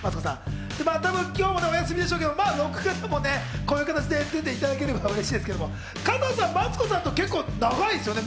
今日もまだお休みでしょうけど、録画でもね、こういう形で出ていただけると嬉しいですけど、加藤さん、マツコさんと結構、長いですよね。